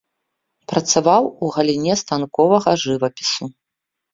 Працаваў у галіне станковага жывапісу.